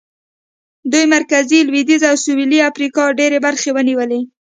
دوی مرکزي، لوېدیځه او سوېلي امریکا ډېرې برخې ونیولې.